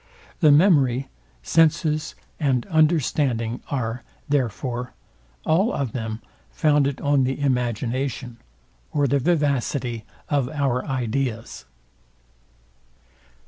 The memory, senses, and understanding are, therefore, all of them founded on the imagination, or the vivacity of our ideas.